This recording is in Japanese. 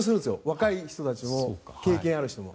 若い人たちも経験ある人も。